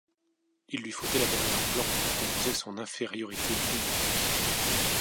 Il lui faut élaborer un plan pour compenser son infériorité numérique.